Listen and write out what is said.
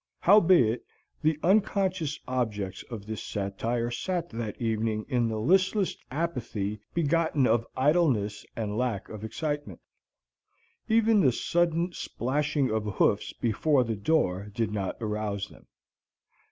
Howbeit, the unconscious objects of this satire sat that evening in the listless apathy begotten of idleness and lack of excitement. Even the sudden splashing of hoofs before the door did not arouse them.